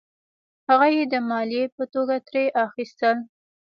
هغه یې د مالیې په توګه ترې اخیستل.